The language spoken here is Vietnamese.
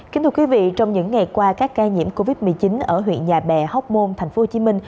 kính thưa quý vị trong những ngày qua các ca nhiễm covid một mươi chín ở huyện nhà bè hóc môn tp hcm